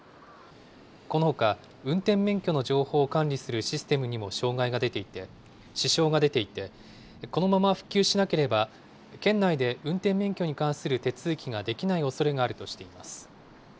このほか、運転免許の情報を管理するシステムにも支障が出ていて、このまま復旧しなければ、県内で運転免許に関する手続きができない恐れがあるとしています。